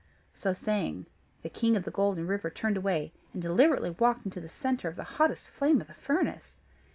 So saying, the King of the Golden River turned away and deliberately walked into the centre of the hottest flame of the furnace.